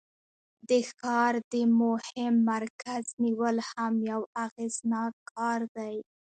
د ښار د مهم مرکز نیول هم یو اغیزناک کار دی.